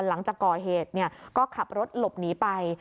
หลังจากก่อเหตุก็ขับรถหลบหนีไป